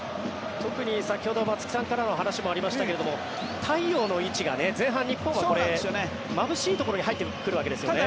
特に先ほど松木さんからの話にもありましたが太陽の位置が前半、日本はまぶしいところに入ってくるわけですよね。